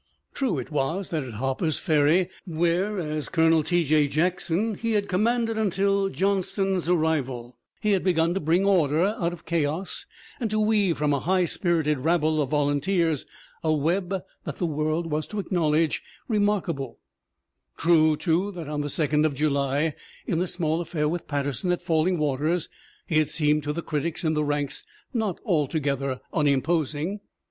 True it was that at Harper's Ferry, where, as Colonel "T. J. Jackson, he had commanded until John ston's arrival, he had begun to bring order out of chaos and to weave from a high spirited rabble of Vol unteers a web that the world was to acknowledge re markable ; true, too, that on the second of July, in the small affair with Patterson at Falling Waters, he had seemed to the critics in the ranks not altogether unimposing.